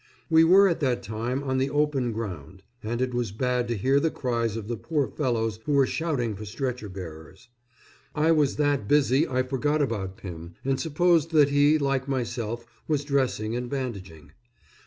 We were at that time on the open ground, and it was bad to hear the cries of the poor fellows who were shouting for stretcher bearers. I was that busy I forgot about Pymm, and supposed that he, like myself, was dressing and bandaging.